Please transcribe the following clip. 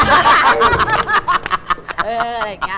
อะไรอย่างนี้